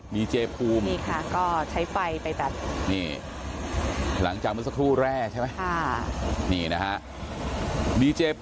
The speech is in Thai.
ดีเจพูมนี้ค่ะใช้ไฟไป